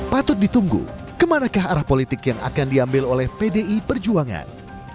patut ditunggu kemanakah arah politik yang akan diambil oleh pdi perjuangan